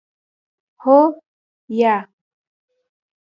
هو 👍 یا 👎